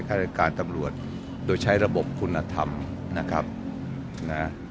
ราชการตำรวจโดยใช้ระบบคุณธรรมนะครับนะ